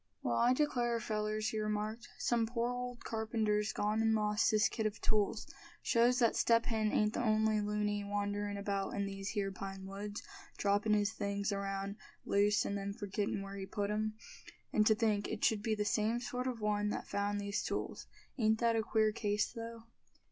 "Well, I declare, fellers," he remarked, "some poor old carpenter's gone and lost his kit of tools. Shows that Step Hen ain't the only loony wanderin' about in these here pine woods, droppin' his things around loose, and then forgettin' where he put 'em. And to think it should be the same sort of one that found these tools. Ain't that a queer case, though?"